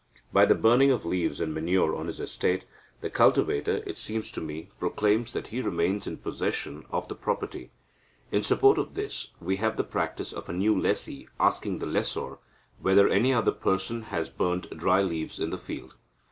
By the burning of leaves and manure on his estate, the cultivator, it seems to me, proclaims that he remains in possession of the property. In support of this, we have the practice of a new lessee asking the lessor whether any other person has burnt dry leaves in the field.